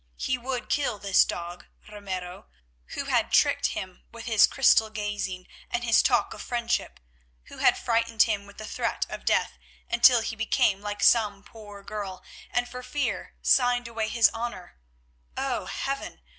He would kill this dog, Ramiro, who had tricked him with his crystal gazing and his talk of friendship, who had frightened him with the threat of death until he became like some poor girl and for fear signed away his honour—oh, Heaven!